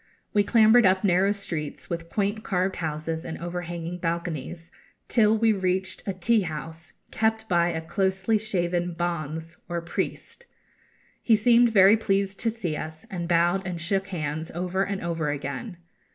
We clambered up narrow streets, with quaint carved houses and overhanging balconies, till we reached a tea house, kept by a closely shaven bonze, or priest. He seemed very pleased to see us, and bowed and shook hands over and over again.